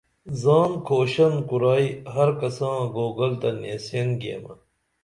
زان کھوشن کُرائی ہرکساں گوگل تہ نیسین گیمہ